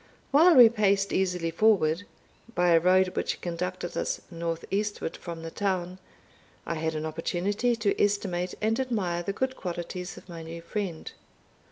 While we paced easily forward, by a road which conducted us north eastward from the town, I had an opportunity to estimate and admire the good qualities of my new friend.